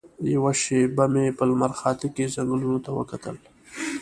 یوه شېبه مې په لمرخاته کې ځنګلونو ته وکتل.